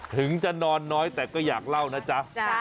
ถึงจะนอนน้อยแต่ก็อยากเล่านะจ๊ะ